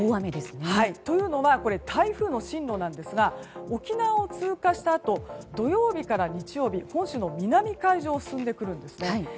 というのは台風の進路なんですが沖縄を通過したあと土曜日から日曜日本州の南海上を進んでくるんですね。